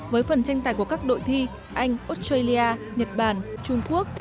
với phần tranh tài của các đội thi anh australia nhật bản trung quốc